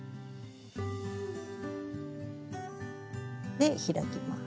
で開きます。